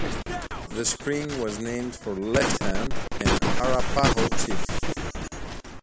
The spring was named for "Left Hand", an Arapaho chief.